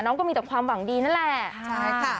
น้องก็มีแต่ความหวังดีนั่นแหละ